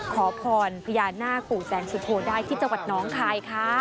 ขอพรพญานาคปู่แสงสุโธได้ที่จังหวัดน้องคายค่ะ